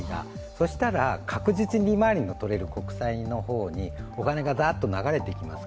そしたら、確実に利回りの取れる国債の方にお金がザーッと流れてしまいます。